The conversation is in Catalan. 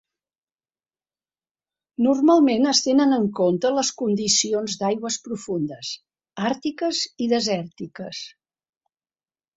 Normalment es tenen en compte les condicions d'aigües profundes, àrtiques i desèrtiques.